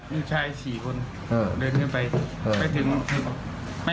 มีชาย๔คนเดินขึ้นไป